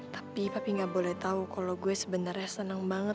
tapi tapi gak boleh tahu kalau gue sebenarnya senang banget